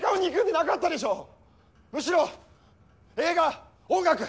むしろ映画音楽。